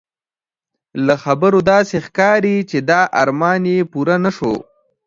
له خبرو داسې ښکاري چې دا ارمان یې پوره نه شو.